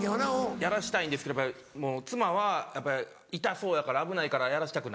やらしたいんですけど妻はやっぱ痛そうやから危ないからやらしたくない。